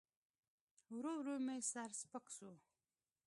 ورو ورو مې سر سپک سو.